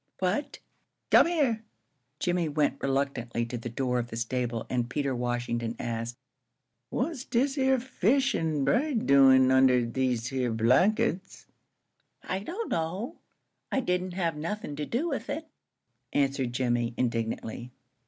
"What?" "Come yah." Jimmie went reluctantly to the door of the stable, and Peter Washington asked: "Wut's dish yere fish an' brade doin' unner dese yer blankups?" "I don't know. I didn't have nothin' to do with it," answered Jimmie, indignantly.